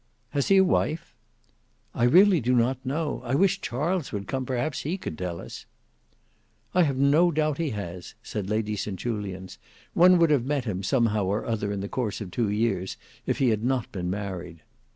"Has he a wife?" "I really do not know. I wish Charles would come, perhaps he could tell us." "I have no doubt he has," said Lady St Julians. "One would have met him, somehow or other in the course of two years, if he had not been married.